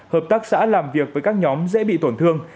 hợp tác xã làm việc với các nhóm dễ bị tổn thương